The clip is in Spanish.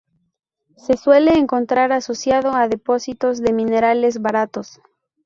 Se suele encontrar asociado a depósitos de minerales boratos.